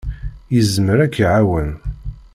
Yezmer ad k-iɛawen.